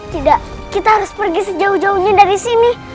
tidak kita harus pergi sejauh jauhnya dari sini